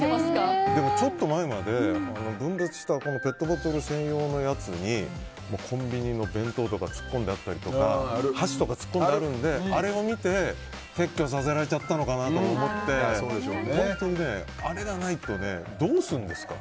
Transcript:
でもちょっと前まで分別したペットボトル専用のやつにコンビニの弁当箱とか箸とか突っ込んであるのであれを見て撤去させられちゃったのかなと思って本当に、あれがないとどうするんですか？